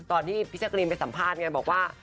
ตอนนี้พิชกรีมไปสัมภาษณ์เนี่ยบอกว่า